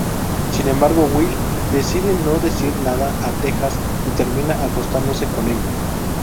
Sin embargo, Will decide no decirle nada a Texas y termina acostándose con ella.